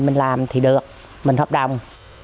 mình làm thì được mình hợp đồng